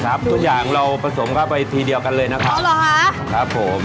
ครับทุกอย่างเราผสมเข้าไปทีเดียวกันเลยนะคะ